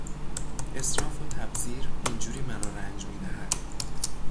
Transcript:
اسراف و تبذیر این جوری مرا رنج میدهد.